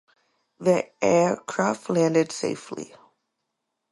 The aircraft landed safely.